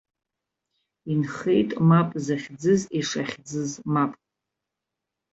Инхеит мап захьӡыз ишахьӡыз мап.